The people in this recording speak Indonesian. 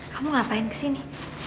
kamu ngapain kesini